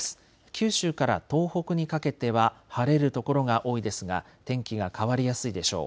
九州から東北にかけては晴れる所が多いですが天気が変わりやすいでしょう。